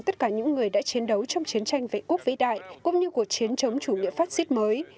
tất cả những người đã chiến đấu trong chiến tranh vệ quốc vĩ đại cũng như cuộc chiến chống chủ nghĩa fascist mới